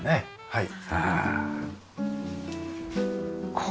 はい。